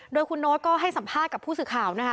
โดยคุณโน๊ตก็ให้สัมภาษณ์กับผู้สื่อข่าวนะคะ